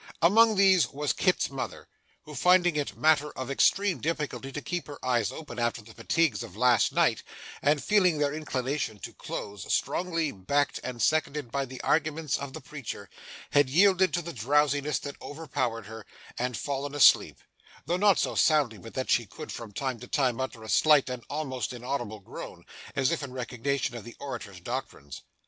Among these was Kit's mother, who, finding it matter of extreme difficulty to keep her eyes open after the fatigues of last night, and feeling their inclination to close strongly backed and seconded by the arguments of the preacher, had yielded to the drowsiness that overpowered her, and fallen asleep; though not so soundly but that she could, from time to time, utter a slight and almost inaudible groan, as if in recognition of the orator's doctrines.